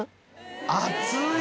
熱い！